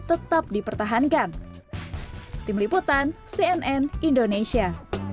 tetap dipertahankan tim liputan cnn indonesia